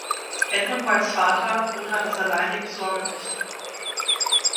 Edmund Whites Vater und hat das alleinige Sorgerecht.